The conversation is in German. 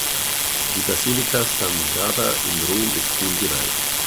Die Basilika San Saba in Rom ist ihm geweiht.